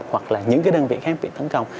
hoặc là những cái đơn vị khác bị tấn công